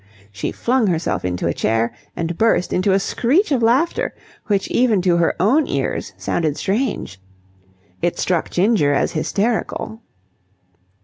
She flung herself into a chair and burst into a screech of laughter which even to her own ears sounded strange. It struck Ginger as hysterical.